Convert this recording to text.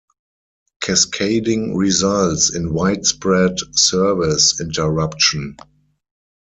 Cascading results in widespread service interruption.